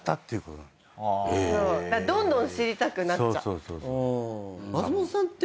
どんどん知りたくなっちゃう。